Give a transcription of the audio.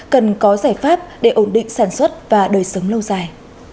cần có giải pháp để ổn định sản xuất và đời sống lâu dài